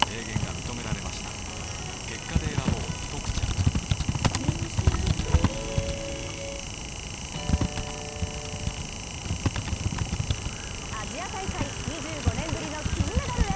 ぷっ事実「特茶」アジア大会、２５年ぶりの金メダルへ。